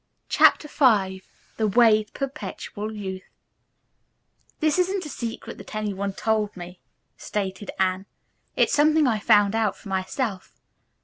CHAPTER V THE WAY TO PERPETUAL YOUTH "This isn't a secret that any one told me," stated Anne. "It's something I found out for myself.